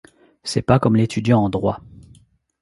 C’est pas comme l’étudiant en droit.